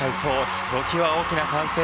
ひときわ大きな歓声。